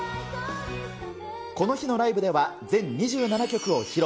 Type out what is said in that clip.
この日のライブでは全２７曲を披露。